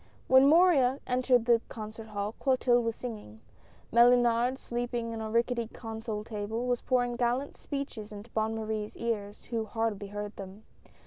When Morin entered the concert hall, Clotilde was singing ; Mellunard, leaning on a rickety console table, was pouring gallant speeches into Bonne Marie's ears, who hardly heard them.